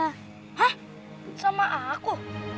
hah sama aku